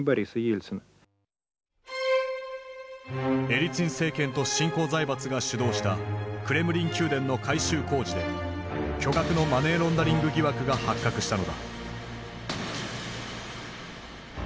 エリツィン政権と新興財閥が主導したクレムリン宮殿の改修工事で巨額のマネーロンダリング疑惑が発覚したのだ。